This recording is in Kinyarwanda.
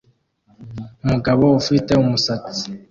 Umugabo ufite umusats